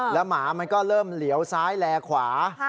แล้วหมามันก็เริ่มเหลียวซ้ายแลขวา